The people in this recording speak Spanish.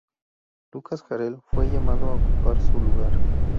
Lucas Harrell fue llamado a ocupar su lugar.